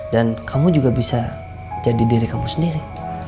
dan kamu juga bisa jadi diri kamu sendiri